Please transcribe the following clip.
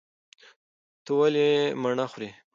ته ولې مڼه خورې؟